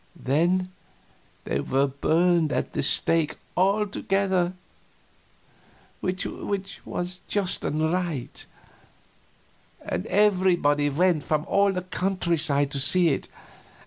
Then they were burned at the stake all together, which was just and right; and everybody went from all the countryside to see it.